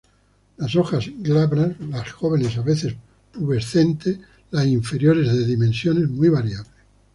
Las hojas glabras –las jóvenes a veces pubescentes–, las inferiores de dimensiones muy variables.